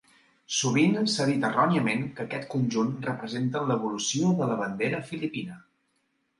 Sovint s'ha dit erròniament que aquest conjunt representen l'"Evolució de la bandera filipina".